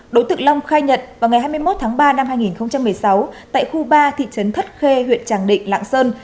đối tượng long khai nhận vào ngày hai mươi một tháng ba năm hai nghìn một mươi sáu tại khu ba thị trấn thất khê huyện tràng định lạng sơn